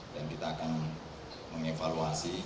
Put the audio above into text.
dan kita akan mengevaluasi